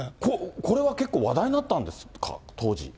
これは結構話題になったんですか？